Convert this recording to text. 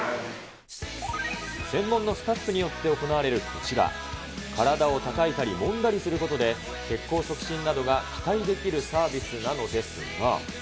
専門のスタッフによって行われるこちら、体をたたいたりもんだりすることで、血行促進などが期待できるサービスなのですが。